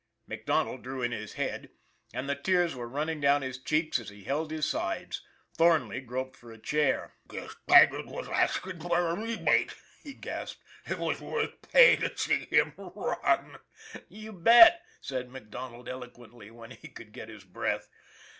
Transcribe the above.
MacDonald drew in his head, and the tears were running down his cheeks as he held his sides. Thornley groped for a chair. " Guess Taggart was asking for a rebate/' he gasped. " It was worth pay to see him run." " You bet !" said MacDoneld eloquently, when he could get his breath.